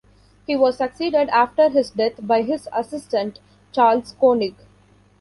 He was succeeded after his death by his assistant Charles Konig.